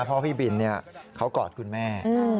เพราะพี่บินเขากอดคุณแม่